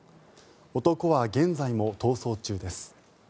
男は現在も逃走中です。